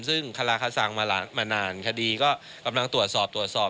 ซึ่งคลาคสรรค์มานานคดีก็กำลังตรวจสอบ